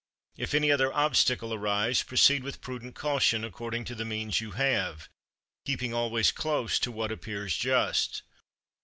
If any other obstacle arise, proceed with prudent caution, according to the means you have; keeping always close to what appears just.